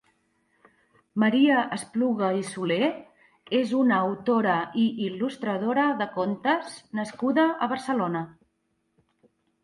Maria Espluga i Solé és una autora i il·lustradora de contes nascuda a Barcelona.